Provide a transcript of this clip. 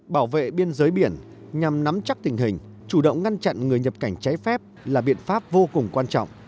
bảo vệ biên giới biển nhằm nắm chắc tình hình chủ động ngăn chặn người nhập cảnh trái phép là biện pháp vô cùng quan trọng